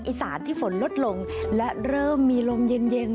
อีสานที่ฝนลดลงและเริ่มมีลมเย็นเย็น